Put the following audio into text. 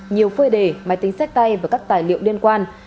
nhiều phơi đề máy tính sách tay và các tài liệu liên quan